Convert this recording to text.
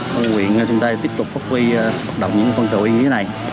công an huyện sơn tây tiếp tục phát huy hoạt động những phần tổ y như thế này